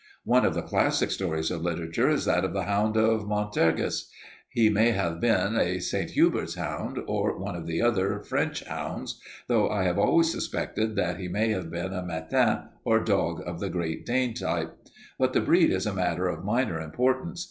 "One of the classic stories of literature is that of the hound of Montargis. He may have been a St. Hubert hound, or one of the other French hounds, though I have always suspected that he may have been a mâtin or dog of the Great Dane type. But the breed is a matter of minor importance.